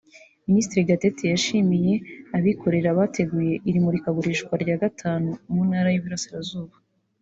Minisitiri Gatete yashimye abikorera bateguye iri murikagurisha rya gatanu mu ntara y’iburasirazuba